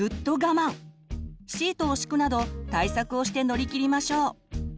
シートを敷くなど対策をして乗り切りましょう。